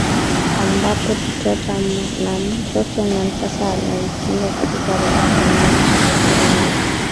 ambapo totternam sasa anaitinga katika robo fainali shak zero nne